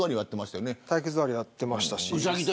体育座りやってましたし。